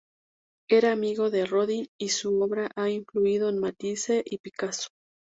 Era amigo de Rodin y su obra ha influido en Matisse y Picasso.